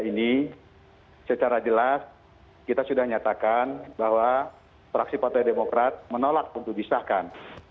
ini secara jelas kita sudah nyatakan bahwa fraksi partai demokrat menolak untuk disahkan